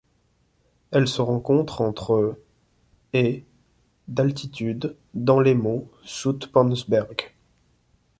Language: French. Elle se rencontre entre et d'altitude dans les monts Soutpansberg.